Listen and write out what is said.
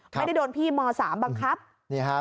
ไม่ได้โดนพี่ม๓บังคับ